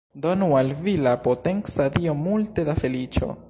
Donu al vi la potenca Dio multe da feliĉo.